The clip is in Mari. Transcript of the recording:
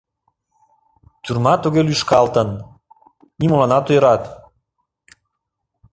Тюрьма туге лӱшкалтын — нимоланат ӧрат!